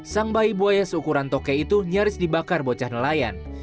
sang bayi buaya seukuran toke itu nyaris dibakar bocah nelayan